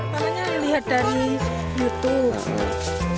pernahnya dilihat dari youtube